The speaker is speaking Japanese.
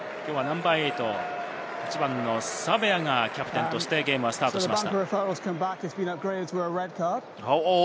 きょうはナンバー８・サヴェアがキャプテンとしてゲームはスタートしました。